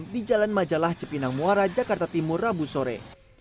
di jalan majalah cipinang muara jakarta timur rabu sore